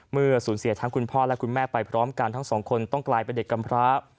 เมื่อสูญเสียทั้งคุณพ่อและคุณแม่ไปพร้อมกันทั้งสองคนต้องกลายเป็นเด็กกำพร้า